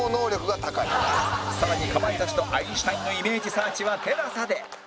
更にかまいたちとアインシュタインのイメージサーチは ＴＥＬＡＳＡ で